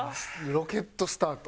ロケットスタート